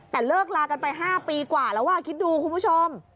แต่เลิกลากันไป๕ปีกว่าแล้วคิดดูคุณผู้ชม